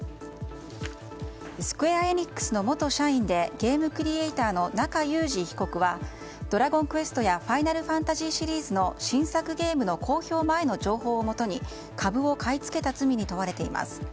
スクウェア・エニックスの元社員でゲームクリエイターの中裕司被告は「ドラゴンクエスト」や「ファイナルファンタジー」シリーズの新作ゲームの公表前の情報をもとに株を買い付けた罪に問われています。